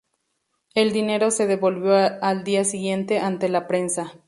El dinero se devolvió al día siguiente ante la prensa.